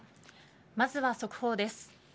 まずは速報です。